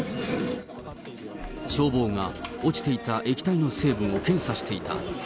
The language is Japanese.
消防が落ちていた液体の成分を検査していた。